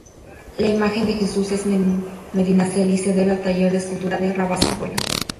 La imagen de Jesús de Medinaceli se debe al taller de escultura de Rabasa-Royo.